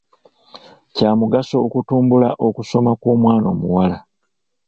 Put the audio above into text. Kya mugaso okutumbula okusoma kw'omwana omuwala.